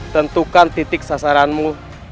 tentukan titik sasaranmu